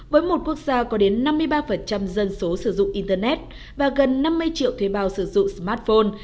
với một quốc gia có đến năm mươi ba dân số sử dụng internet và gần năm mươi triệu thuê bao sử dụng smartphone